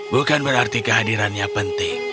bukan berarti kehadirannya penting